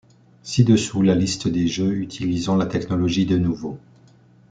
Ci-dessous, la liste des jeux utilisant la technologie Denuvo.